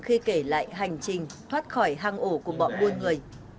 hành trình thoát khỏi hang ổ của bọn buôn người